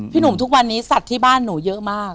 หนุ่มทุกวันนี้สัตว์ที่บ้านหนูเยอะมาก